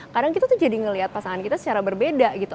kadang kita tuh jadi ngeliat pasangan kita secara berbeda gitu